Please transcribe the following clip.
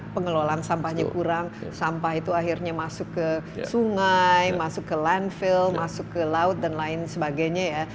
karena pengelolaan sampahnya kurang sampah itu akhirnya masuk ke sungai masuk ke landfill masuk ke laut dan lain sebagainya ya